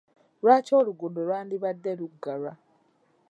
Lwaki oluguudo lwandibadde luggalwa?